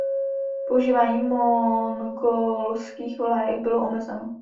Používání mongolských vlajek bylo omezeno.